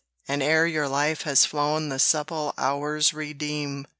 and ere your life has flown The subtle hours redeem.